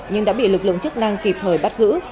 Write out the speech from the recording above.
nhưng đã bị lực lượng chức năng kịp thời bắt giữ